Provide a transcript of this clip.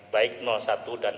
baik satu dan dua